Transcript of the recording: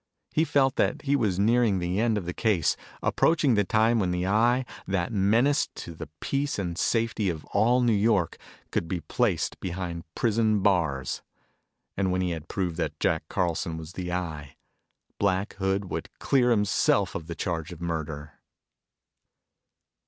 He felt that he was nearing the end of the case, approaching the time when the Eye, that menace to the peace and safety of all New York, could be placed behind prison bars. And when he had proved that Jack Carlson was the Eye, Black Hood would clear himself of the charge of murder!